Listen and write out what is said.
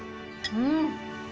うん！